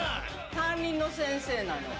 担任の先生なの。